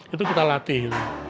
itu kita latih